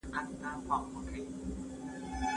معنویات انسان ته ارامښت ورکوي.